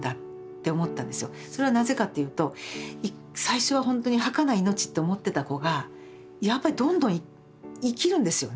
それはなぜかっていうと最初はほんとにはかない命って思ってた子がやっぱりどんどん生きるんですよね。